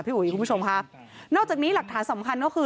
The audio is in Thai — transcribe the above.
อุ๋ยคุณผู้ชมค่ะนอกจากนี้หลักฐานสำคัญก็คือ